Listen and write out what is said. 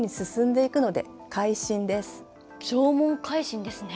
縄文海進ですね。